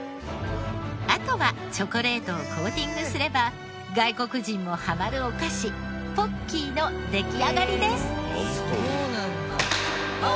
あとはチョコレートをコーティングすれば外国人もハマるお菓子ポッキーの出来上がりです。